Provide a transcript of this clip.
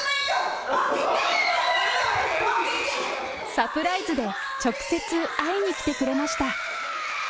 サプライズで直接、会いに来てくれました。